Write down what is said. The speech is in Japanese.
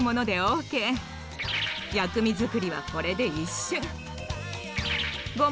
薬味作りはこれで一瞬。